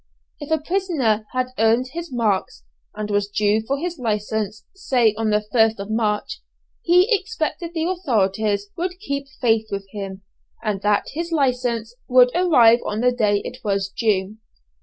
If a prisoner had earned his marks, and was due for his license, say on the 1st of March, he expected the authorities would keep faith with him, and that his license would arrive on the day it was due.